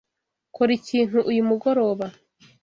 Kora ikintu uyu mugoroba.